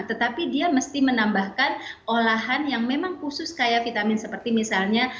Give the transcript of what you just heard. tetapi dia mesti menambahkan olahan yang memang khusus kayak vitamin seperti misalnya